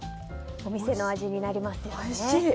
お店の味になりますよね。